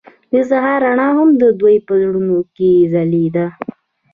د سهار رڼا هم د دوی په زړونو کې ځلېده.